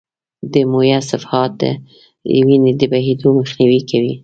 دمویه صفحات د وینې د بهېدو مخنیوی کوي.